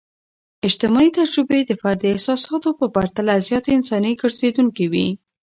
اجتماعي تجربې د فرد د احساساتو په پرتله زیات انساني ګرځیدونکي وي.